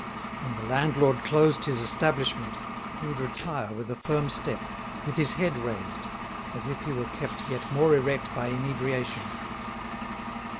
When the landlord closed his establishment, he would retire with a firm step, with his head raised, as if he were kept yet more erect by inebriation.